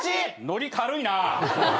ノリ軽いな！